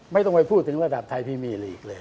ไม่ต้องไปพูดถึงระดับไทยพรีมีลีกเลย